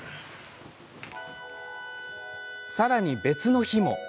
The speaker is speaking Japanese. さらに、別の日も。